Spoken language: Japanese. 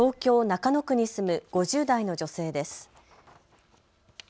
中野区に住む５０代の女性です。